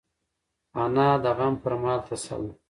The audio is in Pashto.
انا د غم پر مهال تسل ده